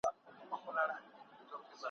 ړوند اوکوڼ سي له نېکیه یې زړه تور سي `